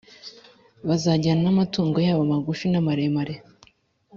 Bazajyana n’amatungo yabo magufi n’amaremare,